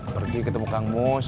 pergi ketemu kang mus